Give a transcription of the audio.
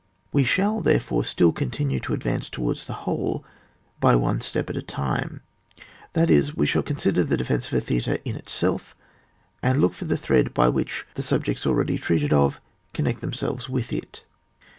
We shall therefore still continue to ad vance towards the whole by one step at a timt* ; that is, we shall consider the defence of a theatre in itself, and look for the thread by which the subjects already treated of connect themselves with it.